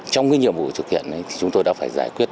trong cái nhiệm vụ thực hiện chúng tôi đã phải giải quyết